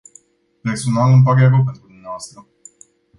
Personal, îmi pare rău pentru dumneavoastră.